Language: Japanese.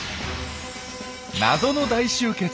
謎の大集結